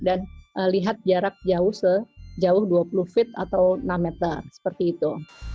dan lihat jarak jauh dua puluh feet atau enam meter seperti itu